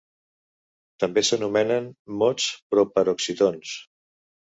També s'anomenen mots proparoxítons.